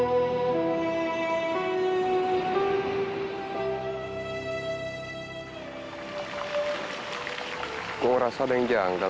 aku rasa ada yang janggal